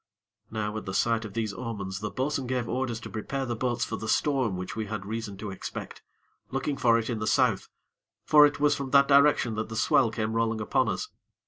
Now, at the sight of these omens, the bo'sun gave orders to prepare the boats for the storm which we had reason to expect, looking for it in the South, for it was from that direction that the swell came rolling upon us.